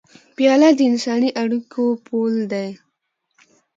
پیاله د انساني اړیکو پُل ده.